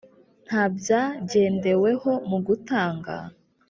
Nta byagendeweho mu gutanga